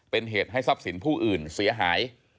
เป็นเหตุให้ทรัพย์สินผู้อื่นเสียหาย